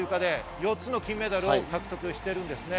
４つの金メダルを獲得してるんですよね。